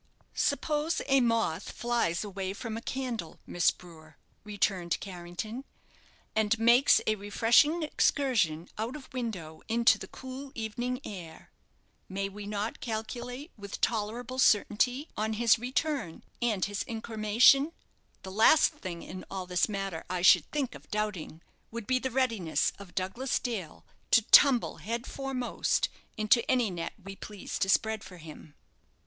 "Suppose a moth flies away from a candle, Miss Brewer," returned Carrington, "and makes a refreshing excursion out of window into the cool evening air! May we not calculate with tolerable certainty on his return, and his incremation? The last thing in all this matter I should think of doubting would be the readiness of Douglas Dale to tumble head foremost into any net we please to spread for him."